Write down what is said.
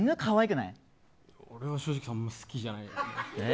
正直あんまり好きじゃない。